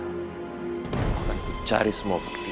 kamu akan mencari semua bukti